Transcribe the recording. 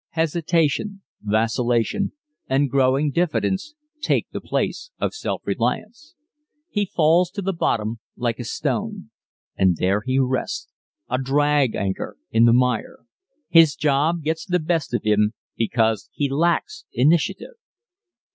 Hesitation, vacillation and growing diffidence take the place of self reliance. He falls to the bottom like a stone. And there he rests a drag anchor in the mire. His job gets the best of him because he lacks initiative.